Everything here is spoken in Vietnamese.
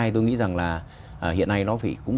tôi nghĩ rằng là hiện nay nó cũng